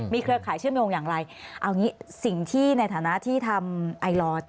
เครือข่ายเชื่อมโยงอย่างไรเอางี้สิ่งที่ในฐานะที่ทำไอลอร์